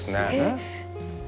えっ？